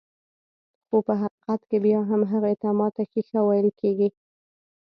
خو په حقيقت کې بيا هم هغې ته ماته ښيښه ويل کيږي.